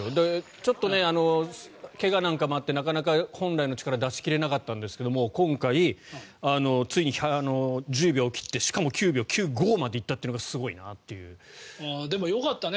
ちょっと怪我なんかもあってなかなか本来の力が出し切れなかったんですけど今回、ついに１０秒を切ってしかも９秒９５まで行ったのがでも、よかったね。